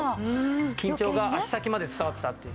緊張が足先まで伝わってたっていう。